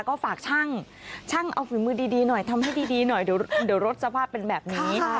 ก็ฝากช่างช่างเอาฝีมือดีหน่อยทำให้ดีหน่อยเดี๋ยวรถสภาพเป็นแบบนี้